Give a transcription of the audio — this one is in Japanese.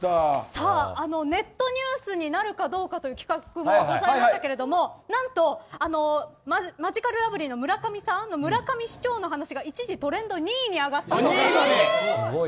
ネットニュースになるかどうかという企画もございましたけれども何と、マヂカルラブリーの村上さんの村上市長の話が、一時トレンド２位に上がったそうです。